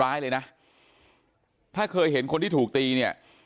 นางมอนก็บอกว่า